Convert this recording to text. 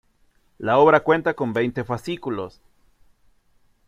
La obra cuenta con veinte fascículos.